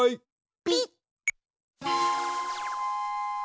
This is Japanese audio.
ピッ！